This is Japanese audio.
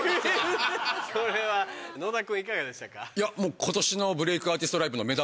これは野田君いかがでしたか？